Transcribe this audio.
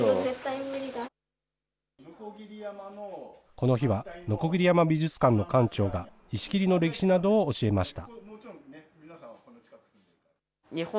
この日は、鋸山美術館の館長が、石切の歴史などを教えました。